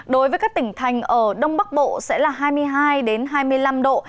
đối với các tỉnh thành ở đông bắc bộ sẽ là hai mươi hai hai mươi năm độ